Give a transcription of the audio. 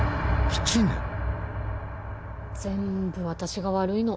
全部私が悪いの。